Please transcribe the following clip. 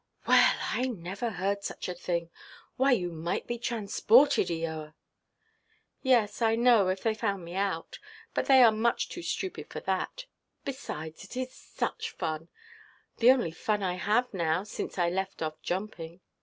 "Well! I never heard such a thing. Why, you might be transported, Eoa!" "Yes, I know, if they found me out; but they are much too stupid for that. Besides, it is such fun; the only fun I have now, since I left off jumping.